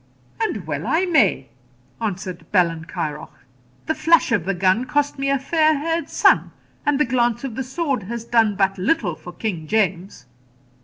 'And well I may,' answered Ballenkeiroch; 'the flash of the gun cost me a fair haired son, and the glance of the sword has done but little for King James.'